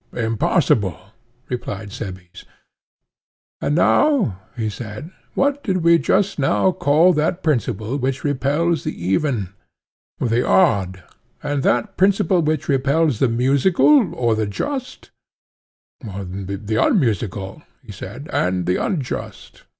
Impossible, replied Cebes. And now, he said, what did we just now call that principle which repels the even? The odd. And that principle which repels the musical, or the just? The unmusical, he said, and the unjust.